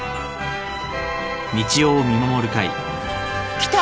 ・「来た！